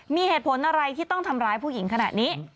มีเหตุผลอะไรที่ต้องทำร้ายผู้หญิงขนาดนี้